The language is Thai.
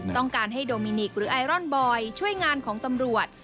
ต้องการให้โดมินิกหรือไอรอนบอยช่วยงานของตำรวจ